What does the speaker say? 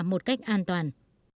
một cách an toàn